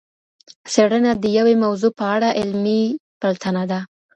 څېړنه د یوې موضوع په اړه علمي پلټنه ده.